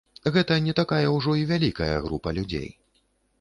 Гэта не такая ўжо і вялікая група людзей.